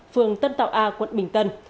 phường tân tạo a quận bình tân